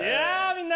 みんな！